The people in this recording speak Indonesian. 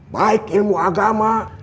baik ilmu agama